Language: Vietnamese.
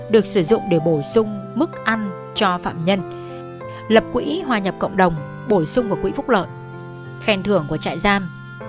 được sử dụng để bổ sung mức ăn cho phạm nhân lập quỹ hòa nhập cộng đồng bổ sung vào quỹ phúc lợi khen thưởng của trại giam